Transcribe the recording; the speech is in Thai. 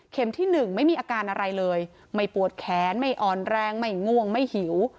ที่หนึ่งไม่มีอาการอะไรเลยไม่ปวดแขนไม่อ่อนแรงไม่ง่วงไม่หิว